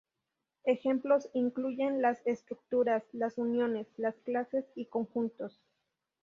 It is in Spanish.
Ejemplos incluyen las estructuras, las uniones, las clases, y conjuntos.